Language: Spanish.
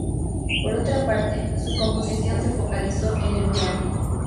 Por otra parte, su composición se focalizó en el piano.